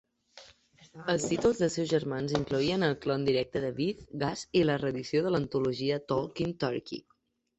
Els títols dels seus germans incloïen el clon directe de "Viz", "Gas", i la reedició de l"antologia "Talking Turkey".